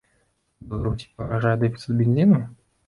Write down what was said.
Беларусі пагражае дэфіцыт бензіну?